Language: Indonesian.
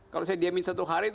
kalau saya diamin satu hari